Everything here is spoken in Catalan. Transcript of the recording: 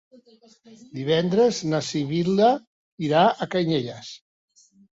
Divendres na Sibil·la irà a Canyelles.